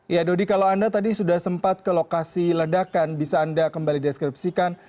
ya dodi kalau anda tadi sudah sempat ke lokasi ledakan bisa anda kembali deskripsikan